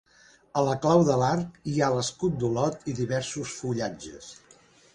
A la clau de l'arc hi ha l'escut d'Olot i diversos fullatges.